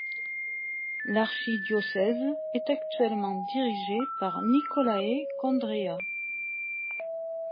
L'archidiocèse est actuellement dirigé par Nicolae Condrea.